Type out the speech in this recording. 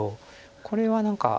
これは何か。